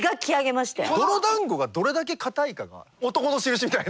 泥だんごがどれだけ硬いかが男の印みたいな。